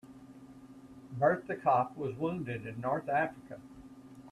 Bert the cop was wounded in North Africa.